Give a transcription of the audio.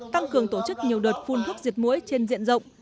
tăng cường tổ chức nhiều đợt phun thuốc diệt mũi trên diện rộng